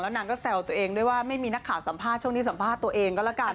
นางก็แซวตัวเองด้วยว่าไม่มีนักข่าวสัมภาษณ์ช่วงนี้สัมภาษณ์ตัวเองก็แล้วกัน